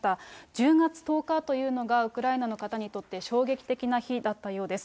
１０月１０日というのが、ウクライナの方にとって衝撃的な日だったようです。